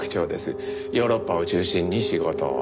ヨーロッパを中心に仕事を。